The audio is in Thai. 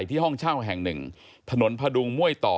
ทานนุนภดุงม่วยต่อ